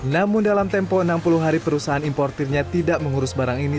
namun dalam tempo enam puluh hari perusahaan importernya tidak mengurus barang ini